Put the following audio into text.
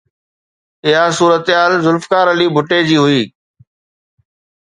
اها صورتحال ذوالفقار علي ڀٽي جي هئي.